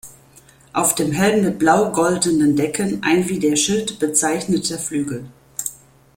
Auf dem Helm mit blau-goldenen Decken ein wie der Schild bezeichneter Flügel.